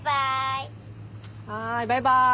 はーいバイバーイ！